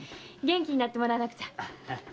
元気になってもらわなくちゃ！